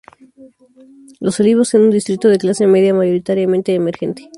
Los Olivos es un distrito de clase media, mayoritariamente emergente.